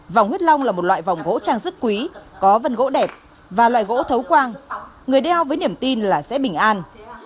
vòng huyết long là một loại vòng gỗ trang sức quý có vân gỗ đẹp và loại gỗ thấu quang người đeo với niềm tin là sẽ bình an